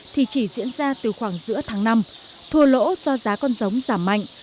thì chỉ diễn ra từ khoảng giữa tháng năm thua lỗ do giá con giống giảm mạnh